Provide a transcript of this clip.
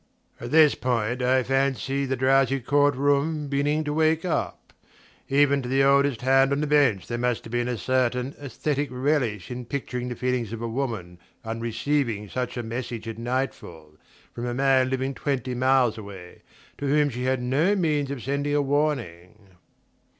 At this point I fancy the drowsy courtroom beginning to wake up. Even to the oldest hand on the bench there must have been a certain aesthetic relish in picturing the feelings of a woman on receiving such a message at night fall from a man living twenty miles away, to whom she had no means of sending a warning...